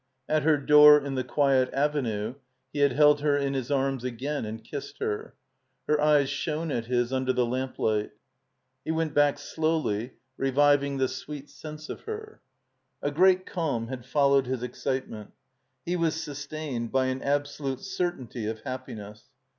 At her door in the quiet Avenue he had held her in his arms again and kissed her. Her eyes shone at his under the lamp Kght. He went back slowly, reviving the sweet sense of her. A great calm had followed his excitement. He was sustained by an absolute certainty of happiness.